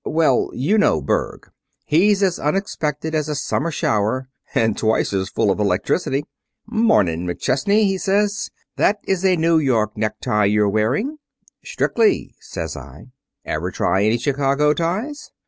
Well, you know Berg. He's as unexpected as a summer shower and twice as full of electricity. "'Morning, McChesney!' he said. 'That a New York necktie you're wearing?' "'Strictly,' says I. "'Ever try any Chicago ties?'